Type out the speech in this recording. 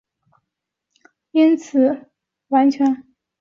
因此李镒完全无法得到有关日军的情报。